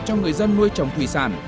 cho người dân nuôi trồng thủy sản